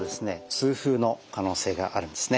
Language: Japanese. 痛風の可能性があるんですね。